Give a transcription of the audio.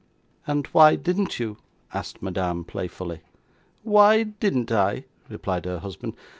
'And why didn't you?' asked Madame, playfully. 'Why didn't I!' replied her husband.